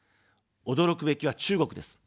驚くべきは中国です。